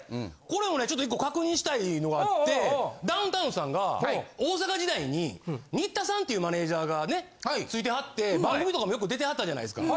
ちょっと１個確認したいのがあってダウンタウンさんが大阪時代に新田さんっていうマネージャーがねついてはって番組とかもよく出てはったじゃないですか。